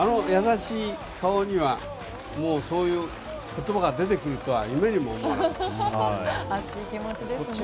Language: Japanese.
あの優しい顔からそういう言葉が出てくるとは夢にも思わなかった。